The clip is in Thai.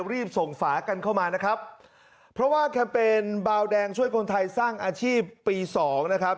รีบส่งฝากันเข้ามานะครับเพราะว่าแคมเปญบาวแดงช่วยคนไทยสร้างอาชีพปีสองนะครับ